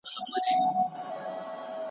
نه به څوک وي چي په موږ پسي ځان خوار کي `